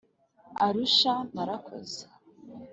Arusha narakoze